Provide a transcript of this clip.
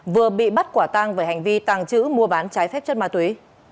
vừa bị bắt quả tang về hành vi tàng trữ mua bán trái phép chất ma túy